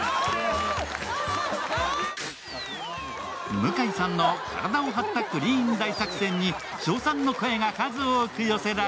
向井さんの体を張ったクリーン大作戦に称賛の声が数多く寄せられ